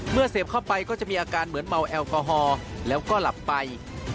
เสพเข้าไปก็จะมีอาการเหมือนเมาแอลกอฮอล์แล้วก็หลับไป